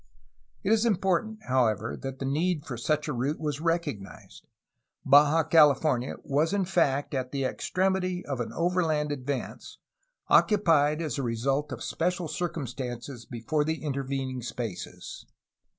It is important, however, that the need for such a route was recognized; Baja California was in fact at the extremity of an overland advance, occupied as result of special circumstances before the intervening spaces.